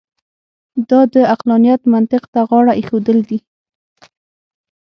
دا د عقلانیت منطق ته غاړه اېښودل دي.